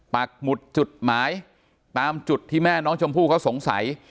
ปักหมุดจุดหมายตามจุดที่แม่น้องชมพู่เขาสงสัย